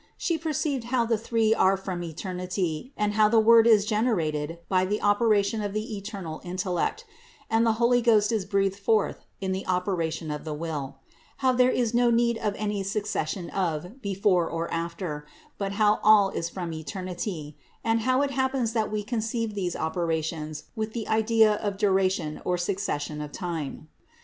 She perceived how the Three are from eternity, and how the Word is generated by the operation of the eternal Intellect, and the Holy Ghost is breathed forth in the operation of the Will; how there is no need of any succession of before or after, but how all is from eternity; and how it hap pens that we conceive these operations with the idea of duration or succession of time.